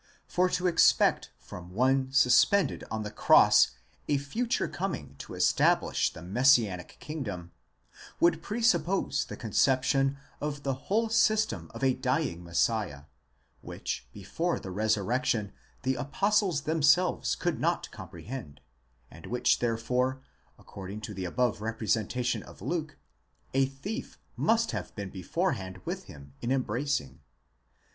For to expect from one suspended on the cross a future coming to establish the messianic kingdom, would presuppose the conception of the whole system of a dying Messiah, which before the resurrection the apostles themselves could not comprehend, and which there fore, according to the above representation of Luke, a ¢iief must have been beforehand with them in embracing.